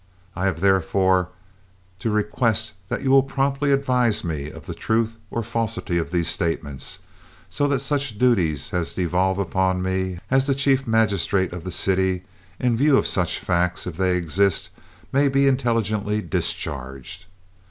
I have therefore to request that you will promptly advise me of the truth or falsity of these statements, so that such duties as devolve upon me as the chief magistrate of the city, in view of such facts, if they exist, may be intelligently discharged.